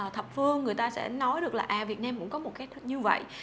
thập phương người ta sẽ nói được là việt nam cũng có một cái như vậy